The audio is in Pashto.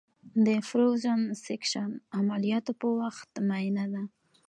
د فروزن سیکشن عملیاتو په وخت معاینه ده.